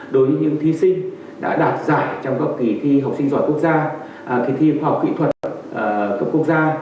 đối với những thí sinh đã đạt giải trong các kỳ thi học sinh giỏi quốc gia kỳ thi khoa học kỹ thuật cấp quốc gia